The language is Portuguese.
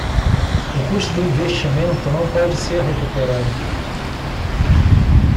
O custo do investimento não pode ser recuperado